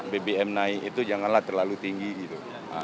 bbm naik itu janganlah terlalu tinggi gitu